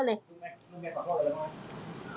ลุงแกขอโทษเลยหรือเปล่า